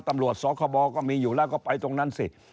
ตำรวจสคบก็มีอยู่แล้วก็ไปตรงนั้นสิ